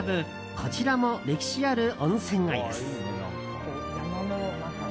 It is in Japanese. こちらも歴史ある温泉街です。